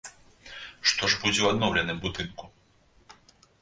Што ж будзе ў адноўленым будынку?